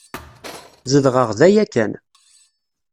Zedɣeɣ da yakan.